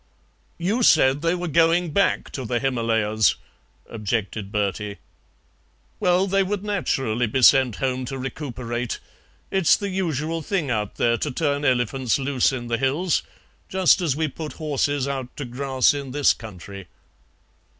"You said they were going back to the Himalayas," objected Bertie. "Well, they would naturally be sent home to recuperate. It's the usual thing out there to turn elephants loose in the hills, just as we put horses out to grass in this country."